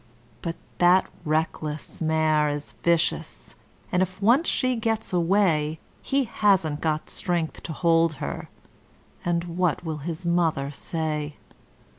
But that Reckless mare is vicious, and if once she gets away He hasn't got strength to hold her and what will his mother say?'